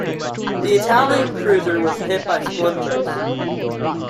The Italian cruiser was hit by splinters.